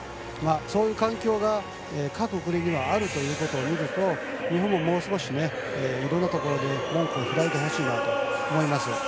そういう環境が各国にはあるということを見ると日本ももう少しいろんなところで門戸を開いてほしいなと思います。